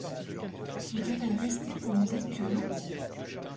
Voudrait-elle rester pour nous espionner ?